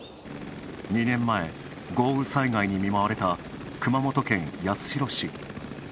２年前、豪雨災害に見舞われた熊本県八代市。